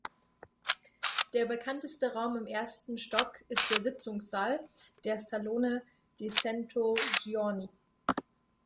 Der bekannteste Raum im ersten Stock ist der Sitzungssaal, der Salone dei Cento Giorni.